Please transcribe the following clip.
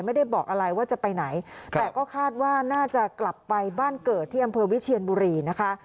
ไม่ได้บอกอะไรว่าจะไปไหนแต่ก็คาดว่าน่าจะกลับไปบ้านเกิดที่อำเภอวิเชียนบุรีนะคะ